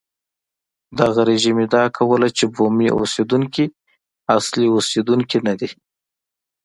دغه رژیم ادعا کوله چې بومي اوسېدونکي اصلي اوسېدونکي نه دي.